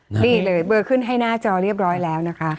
นี่เลยเบอร์ขึ้นให้หน้าจอเรียบร้อยแล้วนะคะ